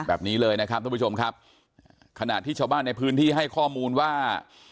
แบบนี้เลยนะครับทุกผู้ชมครับขณะที่ชาวบ้านในพื้นที่ให้ข้อมูลว่า